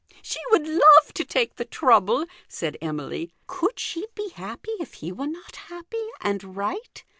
" She would love to take the trouble," said Emily. " Could she be happy if he were not happy and right?"